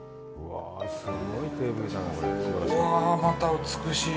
うわぁ、また美しい！